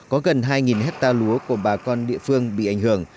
có gần hai hectare lúa của bà con địa phương bị ảnh hưởng